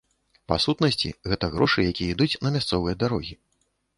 Па сутнасці, гэта грошы, якія ідуць на мясцовыя дарогі.